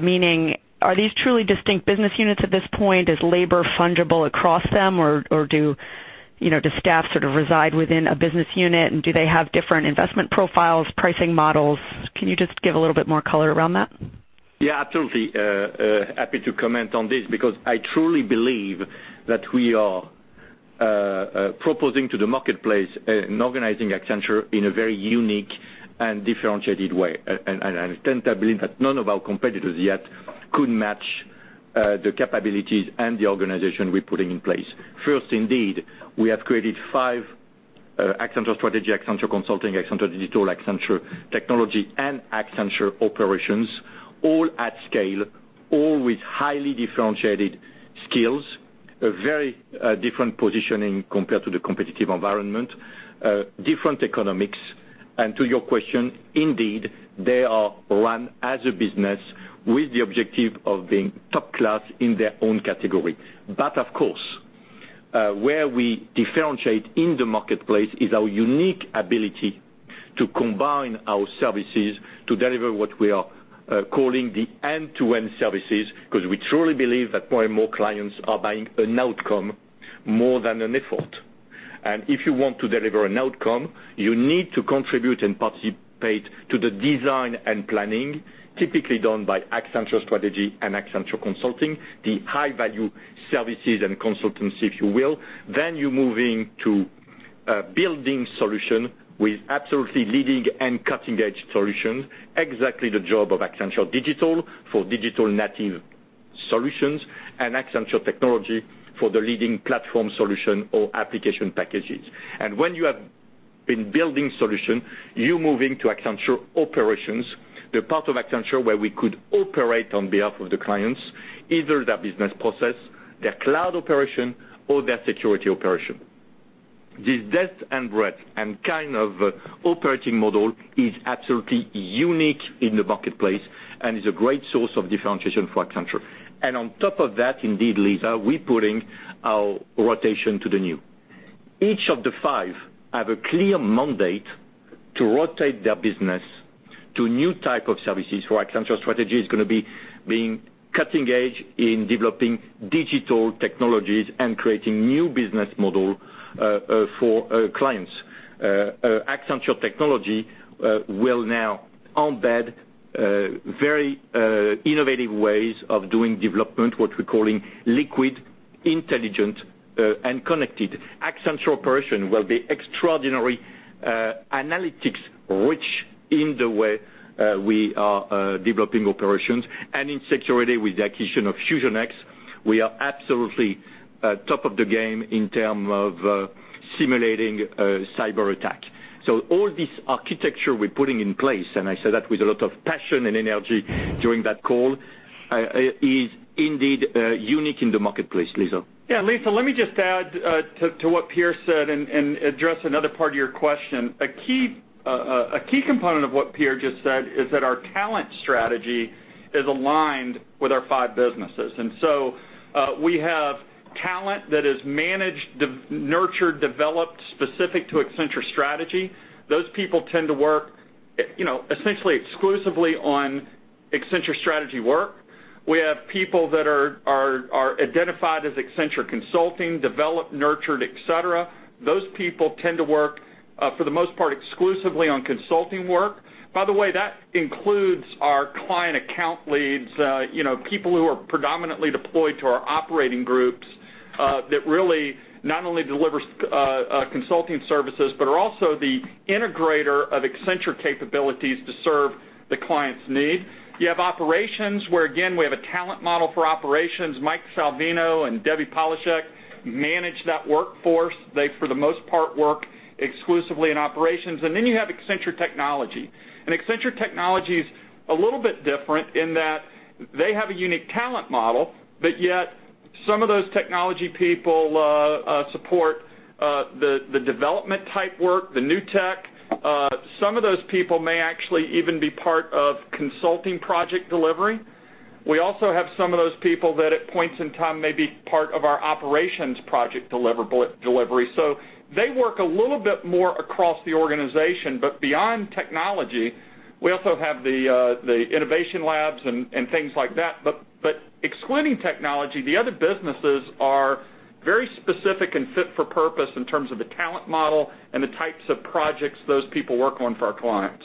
Meaning, are these truly distinct business units at this point? Is labor fungible across them or does staff sort of reside within a business unit, and do they have different investment profiles, pricing models? Can you just give a little bit more color around that? Yeah, absolutely. Happy to comment on this because I truly believe that we are proposing to the marketplace and organizing Accenture in a very unique and differentiated way. I tend to believe that none of our competitors yet could match the capabilities and the organization we're putting in place. First, indeed, we have created five Accenture Strategy, Accenture Consulting, Accenture Digital, Accenture Technology, and Accenture Operations, all at scale, all with highly differentiated skills, a very different positioning compared to the competitive environment, different economics. To your question, indeed, they are run as a business with the objective of being top class in their own category. Of course, where we differentiate in the marketplace is our unique ability to combine our services to deliver what we are calling the end-to-end services, because we truly believe that more and more clients are buying an outcome more than an effort. If you want to deliver an outcome, you need to contribute and participate to the design and planning typically done by Accenture Strategy and Accenture Consulting, the high-value services and consultancy, if you will. You're moving to building solution with absolutely leading and cutting-edge solutions, exactly the job of Accenture Digital for digital native solutions and Accenture Technology for the leading platform solution or application packages. When you have been building solution, you move into Accenture Operations, the part of Accenture where we could operate on behalf of the clients, either their business process, their cloud operation, or their security operation. This depth and breadth and kind of operating model is absolutely unique in the marketplace and is a great source of differentiation for Accenture. On top of that, indeed, Lisa, we're putting our rotation to the new. Each of the five have a clear mandate to rotate their business to new type of services. For Accenture Strategy, it's going to be being cutting edge in developing digital technologies and creating new business model for clients. Accenture Technology will now embed very innovative ways of doing development, what we're calling liquid, intelligent, and connected. Accenture Operations will be extraordinarily analytics-rich in the way we are developing operations. In security, with the acquisition of FusionX, we are absolutely top of the game in terms of simulating a cyberattack. All this architecture we're putting in place, and I say that with a lot of passion and energy during that call, is indeed unique in the marketplace, Lisa. Yeah, Lisa, let me just add to what Pierre said and address another part of your question. A key component of what Pierre just said is that our talent strategy is aligned with our five businesses. We have talent that is managed, nurtured, developed specific to Accenture Strategy. Those people tend to work essentially exclusively on Accenture Strategy work. We have people that are identified as Accenture Consulting, developed, nurtured, et cetera. Those people tend to work, for the most part, exclusively on consulting work. By the way, that includes our client account leads, people who are predominantly deployed to our operating groups, that really not only deliver consulting services, but are also the integrator of Accenture capabilities to serve the client's need. You have operations, where again, we have a talent model for operations. Mike Salvino and Debbie Polishook manage that workforce. They, for the most part, work exclusively in operations. You have Accenture Technology. Accenture Technology is a little bit different in that they have a unique talent model, but yet some of those technology people support the development type work, the new tech. Some of those people may actually even be part of consulting project delivery. We also have some of those people that, at points in time, may be part of our operations project delivery. They work a little bit more across the organization. Beyond technology, we also have the innovation labs and things like that. Excluding technology, the other businesses are very specific and fit for purpose in terms of the talent model and the types of projects those people work on for our clients.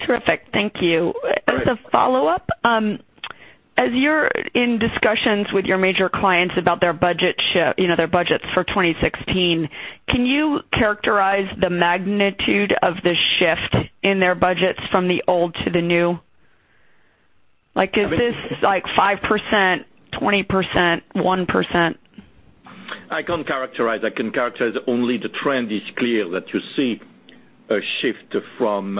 Terrific. Thank you. Great. As a follow-up, as you're in discussions with your major clients about their budgets for 2016, can you characterize the magnitude of the shift in their budgets from the old to the new? Is this 5%, 20%, 1%? I can't characterize. I can characterize only the trend is clear that you see a shift from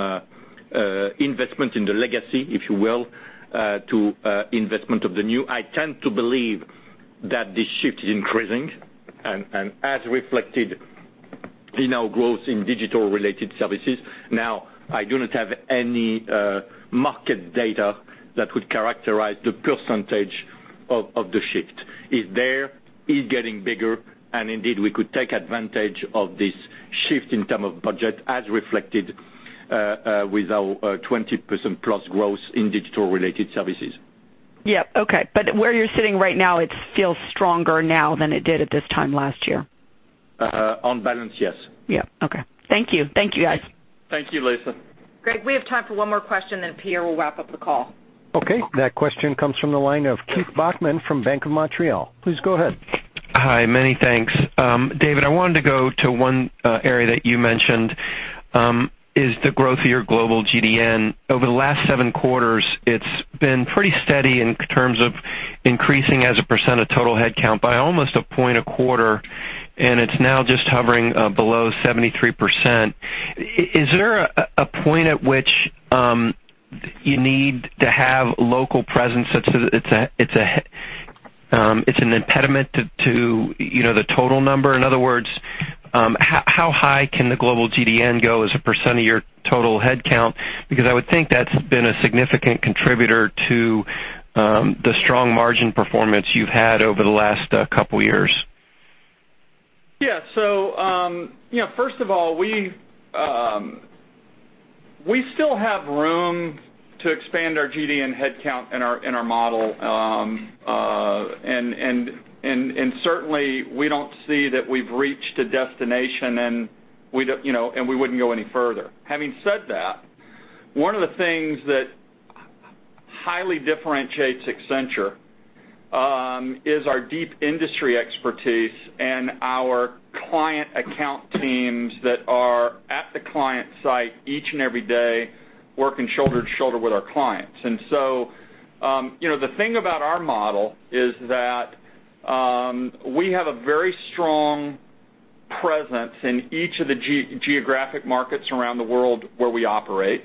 investment in the legacy, if you will, to investment of the new. I tend to believe that this shift is increasing, and as reflected in our growth in digital-related services. Now, I do not have any market data that would characterize the percentage of the shift. It's there, it's getting bigger, and indeed, we could take advantage of this shift in term of budget as reflected with our 20% plus growth in digital-related services. Yep. Okay. Where you're sitting right now, it feels stronger now than it did at this time last year. On balance, yes. Yeah. Okay. Thank you. Thank you, guys. Thank you, Lisa. Great. We have time for one more question, Pierre will wrap up the call. Okay. That question comes from the line of Keith Bachman from BMO Capital Markets. Please go ahead. Hi. Many thanks. David, I wanted to go to one area that you mentioned, is the growth of your global GDN. Over the last seven quarters, it's been pretty steady in terms of increasing as a % of total headcount by almost a point a quarter, and it's now just hovering below 73%. Is there a point at which you need to have local presence that it's an impediment to the total number? In other words, how high can the global GDN go as a % of your total headcount? I would think that's been a significant contributor to the strong margin performance you've had over the last couple of years. Yeah. First of all, we still have room to expand our GDN headcount in our model. Certainly, we don't see that we've reached a destination and we wouldn't go any further. Having said that, one of the things that highly differentiates Accenture is our deep industry expertise and our client account teams that are at the client site each and every day, working shoulder to shoulder with our clients. The thing about our model is that we have a very strong presence in each of the geographic markets around the world where we operate.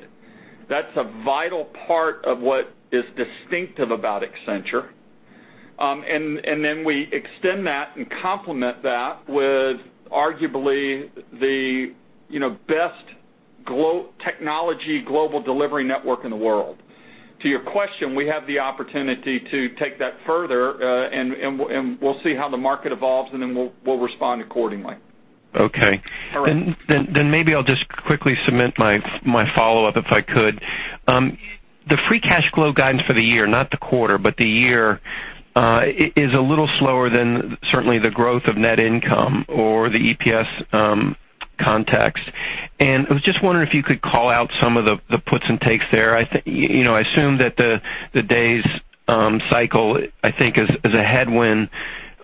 That's a vital part of what is distinctive about Accenture. We extend that and complement that with arguably the best technology Global Delivery Network in the world. To your question, we have the opportunity to take that further, we'll see how the market evolves we'll respond accordingly. Okay. All right. Maybe I'll just quickly submit my follow-up, if I could. The free cash flow guidance for the year, not the quarter, but the year, is a little slower than certainly the growth of net income or the EPS context. I was just wondering if you could call out some of the puts and takes there. I assume that the days cycle, I think is a headwind.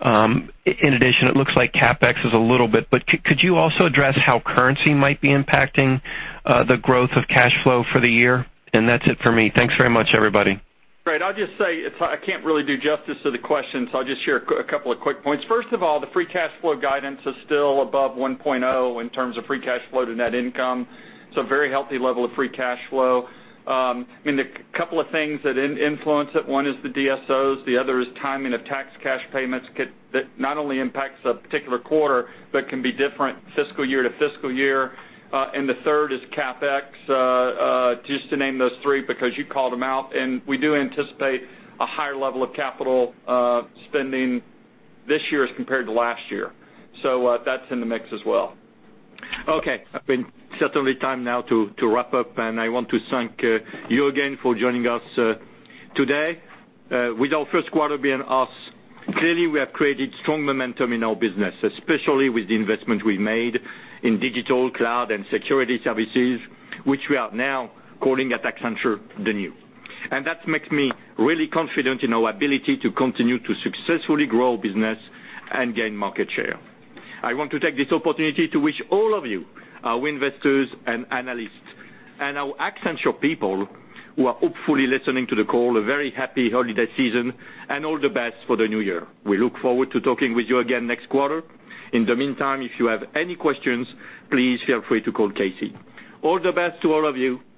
In addition, it looks like CapEx is a little bit, but could you also address how currency might be impacting the growth of cash flow for the year? That's it for me. Thanks very much, everybody. Great. I'll just say, I can't really do justice to the question, so I'll just share a couple of quick points. First of all, the free cash flow guidance is still above 1.0 in terms of free cash flow to net income. A very healthy level of free cash flow. The couple of things that influence it, one is the DSOs, the other is timing of tax cash payments that not only impacts a particular quarter, but can be different fiscal year to fiscal year. The third is CapEx, just to name those three, because you called them out. We do anticipate a higher level of capital spending this year as compared to last year. That's in the mix as well. Okay. It's certainly time now to wrap up, and I want to thank you again for joining us today. With our first quarter behind us, clearly we have created strong momentum in our business, especially with the investment we've made in digital, cloud, and security services, which we are now calling at Accenture, The New. That makes me really confident in our ability to continue to successfully grow our business and gain market share. I want to take this opportunity to wish all of you, our investors and analysts, and our Accenture people who are hopefully listening to the call, a very happy holiday season and all the best for the new year. We look forward to talking with you again next quarter. In the meantime, if you have any questions, please feel free to call KC. All the best to all of you.